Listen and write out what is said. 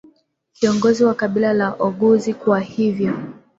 kiongozi wa kabila la Oguz Kwa hivyo